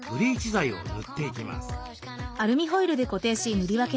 剤を塗っていきます。